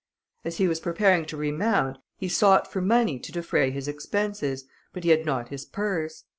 As he was preparing to remount, he sought for money to defray his expenses, but he had not his purse.